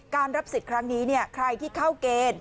รับสิทธิ์ครั้งนี้ใครที่เข้าเกณฑ์